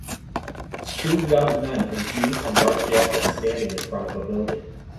Two young men in jeans and dark jackets standing in front of a building.